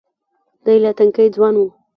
دی لا تنکی ځوان و.